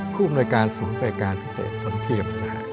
ผู้บริการศูนย์บริการพิเศษสนเทียบ